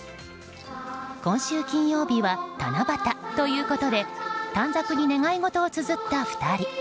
今週金曜日は七夕ということで短冊に願い事をつづった２人。